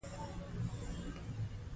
مخکې مو وویل چې د بریا اساسي شرط مهم دی.